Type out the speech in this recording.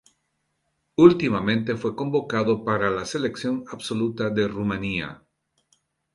Últimamente, fue convocado para la selección absoluta de Rumania.